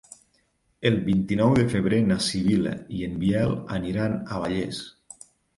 El vint-i-nou de febrer na Sibil·la i en Biel aniran a Vallés.